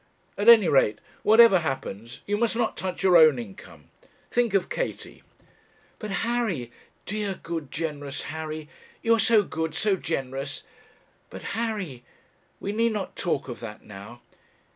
At any rate, whatever happens, you must not touch your own income; think of Katie.' 'But, Harry dear, good, generous Harry you are so good, so generous! But, Harry, we need not talk of that now.